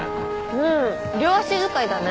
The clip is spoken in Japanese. うん両足使いだね。